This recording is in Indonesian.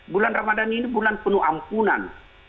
bulan ramadan ini bulan penuh ampunan